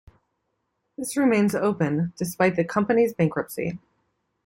This remains open, despite the company's bankruptcy.